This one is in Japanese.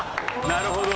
なるほど。